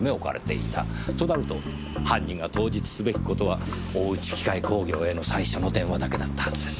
となると犯人が当日すべき事は大内機械工業への最初の電話だけだったはずです。